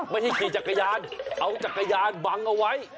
ไม่ให้ขี่จักรยานเอาจักรยานบังเอาไว้